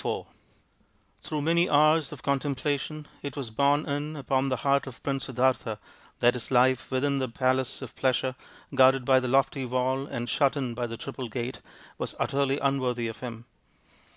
IV Through many hours of contemplation it was borne in upon the heart of Prince Siddartha that his life within the palace of pleasure, guarded by the lofty wall and shut in by the triple gate, was utterly unworthy of him.